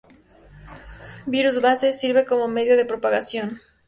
Virus Base: Sirve como medio de propagación.